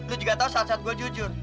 lu juga tahu saat saat gue jujur